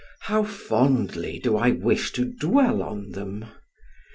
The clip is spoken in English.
how fondly do I wish to dwell on them!